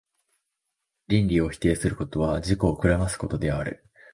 論理を否定することは、自己を暗ますことである。